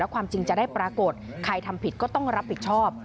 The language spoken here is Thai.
ความจริงจะได้ปรากฏใครทำผิดก็ต้องรับผิดชอบ